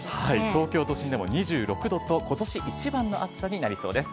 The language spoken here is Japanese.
東京都心でも２６度と、ことし一番の暑さになりそうです。